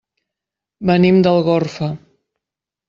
Venim d'Algorfa.